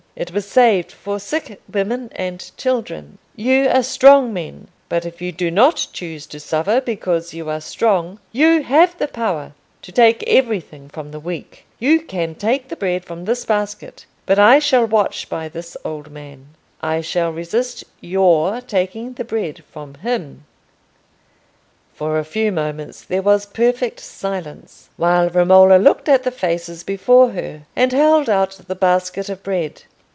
It was saved for sick women and children. You are strong men; but if you do not choose to suffer because you are strong, you have the power to take everything from the weak. You can take the bread from this basket; but I shall watch by this old man; I shall resist your taking the bread from him." For a few moments there was perfect silence, while Romola looked at the faces before her, and held out the basket of bread.